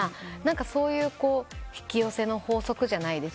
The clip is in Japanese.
そういう引き寄せの法則じゃないですけど。